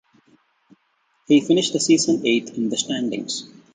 He finished the season eighth in the standings.